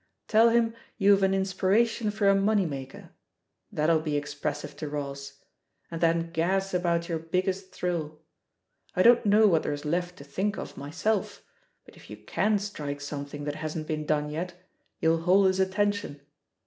Tell hun youVe an ^inspiration for a money maker' — ^that'll be ex pressive to Ross — and then gas about your big gest thrill. I don't know what there is left to think of, myself, but if you can strike something that hasn't been done yet, you'll hold his atten tion.